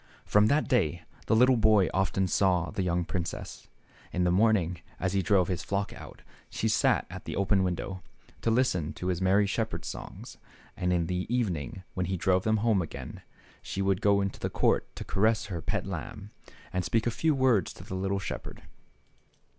From that day the little boy often saw the young princess. In the morning, as he drove his flock out, she sat at the open window, to lis ten to his merry shepherd's songs, and in the evening, when he drove them home again, she would go into the court to caress her pet lamb, and speak a few kind words to the little shepherd.